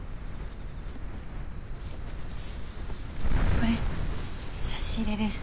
これ差し入れです。